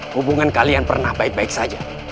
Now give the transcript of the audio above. hubungan kalian pernah baik baik saja